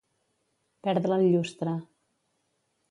Perdre el llustre.